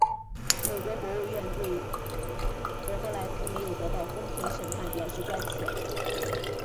美国国务院对德莫赖斯没有得到公平审判表示关切。